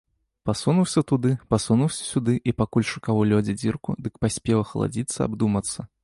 Пасунуўся туды, пасунуўся сюды, і пакуль шукаў у лёдзе дзірку, дык паспеў ахаладзіцца, абдумацца.